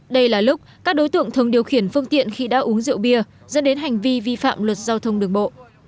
đây là lúc các đối tượng thường điều khiển phương tiện khi đã uống rượu bia dẫn đến hành vi vi phạm luật giao thông đường bộ